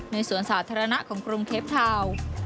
สวนสาธารณะของกรุงเทปทาวน์